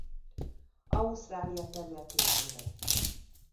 Ausztrália területén él.